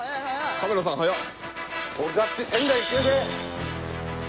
カメラさん速っ！